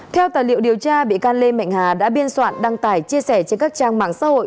theo tài liệu điều tra bị can lê mạnh hà đã biên soạn đăng tải chia sẻ trên các trang mạng xã hội